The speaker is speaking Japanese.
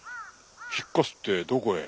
引っ越すってどこへ？